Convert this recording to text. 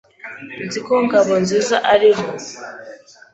Nzi ko Ngabonziza ariho.